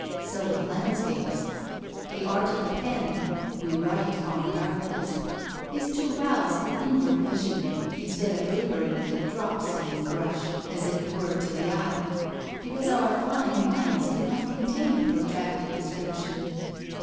So with landscapes. The art of the pen (we write on darkness) is to rouse the inward vision, instead of labouring with a Drop scene brush, as if it were to the eye; because our flying minds cannot contain a protracted description.